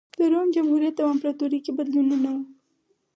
د روم جمهوریت او امپراتورۍ کې بدلونونه و